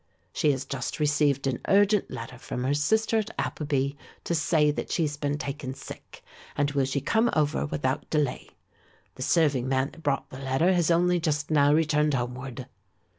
She has just received an urgent letter from her sister at Appleby to say that she has been taken sick, and will she come over without delay. The serving man that brought the letter has only just now returned homeward."